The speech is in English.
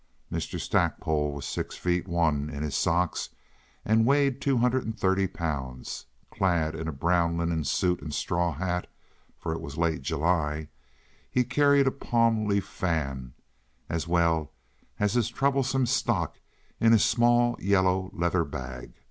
Mr. Stackpole was six feet one in his socks and weighed two hundred and thirty pounds. Clad in a brown linen suit and straw hat (for it was late July), he carried a palm leaf fan as well as his troublesome stocks in a small yellow leather bag.